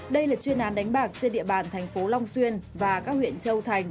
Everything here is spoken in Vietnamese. đây là chuyên án đánh bạc trên địa bàn thành phố long xuyên và các huyện châu thành